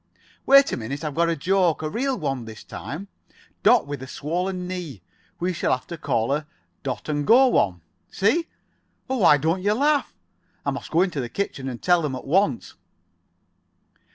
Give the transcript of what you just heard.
"Wait a minute. I've got a joke. A real one this time. Dot with a swollen knee. We shall have to call her Dot and go one. See? Well, why don't you laugh? I must go into the kitchen and tell them at once."